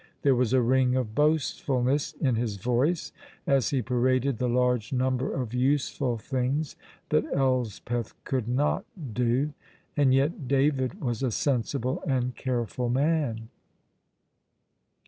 There was a ring of boastfulness in his voice as he paraded the large number of useful things that Elspeth could not do. And yet David was a sensible and careful man.